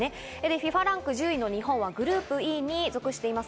ＦＩＦＡランク１０位の日本はグループＥに属しています。